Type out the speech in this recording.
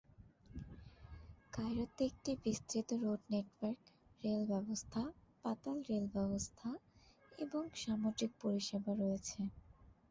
কায়রোতে একটি বিস্তৃত road network, rail ব্যবস্থা, পাতাল রেল ব্যবস্থা এবং সামুদ্রিক পরিষেবা রয়েছে।